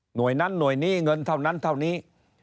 นั้นหน่วยนี้เงินเท่านั้นเท่านี้